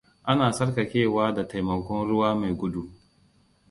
Ana tsarkakewa da taimakon ruwa mai gudu.